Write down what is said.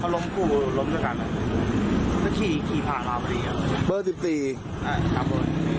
เขาร้มกูร้มจริง